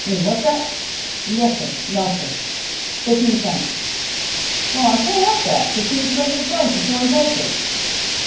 What's that? Yessir. Nossir, fifteen cents. Well, I can't help that; fifteen's the reg'lar price of foreign papers.